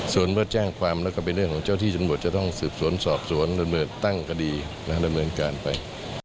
ส่วนเมื่อแจ้งความแล้วก็เป็นเรื่องของเจ้าที่จำรวจจะต้องสืบสวนสอบสวนดำเนินตั้งคดีดำเนินการไป